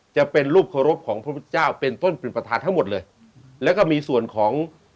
จะเป็นรูปเคารพของพระพุทธเจ้าเป็นต้นเป็นประธานทั้งหมดเลยแล้วก็มีส่วนของ